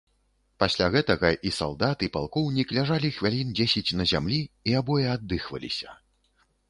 Пасля гэтага і салдат, і палкоўнік ляжалі хвілін дзесяць на зямлі і абое аддыхваліся.